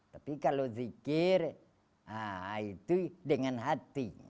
tapi kalau zikir itu dengan hati